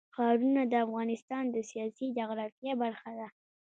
ښارونه د افغانستان د سیاسي جغرافیه برخه ده.